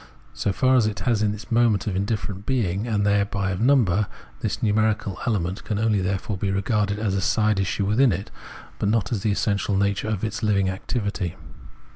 So far as it has in it the moment of indifferent being and thereby of number, this numerical element can therefore only be regarded as a side issue within it, but not as the essential nature of its living activity.